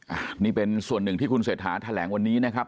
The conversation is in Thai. อันนี้เป็นส่วนหนึ่งที่คุณเศรษฐาแถลงวันนี้นะครับ